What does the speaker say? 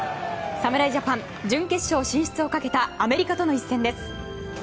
侍ジャパン準決勝進出をかけたアメリカとの一戦です。